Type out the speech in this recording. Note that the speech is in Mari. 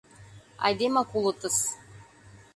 Айдемак улытыс...